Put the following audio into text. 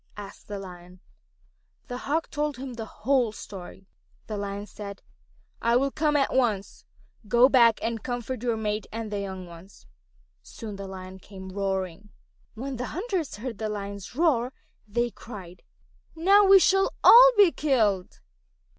asked the Lion. The Hawk told him the whole story. The Lion said: "I will come at once. You go back and comfort your mate and the young ones." Soon the Lion came roaring. When the hunters heard the Lion's roar they cried, "Now we shall all be killed."